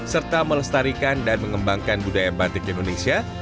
serta melestarikan dan mengembangkan budaya batik di indonesia